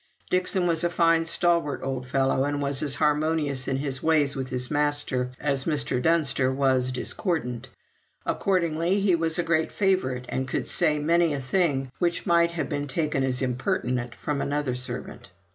Dixon was a fine, stalwart old fellow, and was as harmonious in his ways with his master as Mr. Dunster was discordant; accordingly he was a great favourite, and could say many a thing which might have been taken as impertinent from another servant.